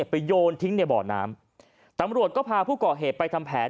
โยนทิ้งในบ่อน้ำตำรวจก็พาผู้ก่อเหตุไปทำแผน